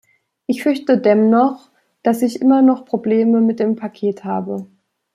Ich fürchte dennoch, dass ich immer noch Probleme mit dem Paket habe.